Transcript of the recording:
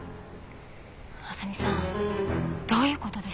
浅見さんどういうことでしょう？